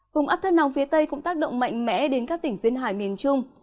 vùng áp thấp nóng phía tây cũng tác động mạnh mẽ đến các tỉnh duyên hải miền trung